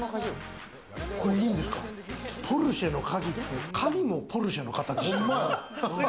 ポルシェの鍵って、鍵もポルシェの形してる。